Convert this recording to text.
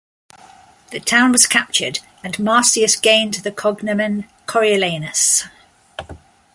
The town was captured, and Marcius gained the cognomen Coriolanus.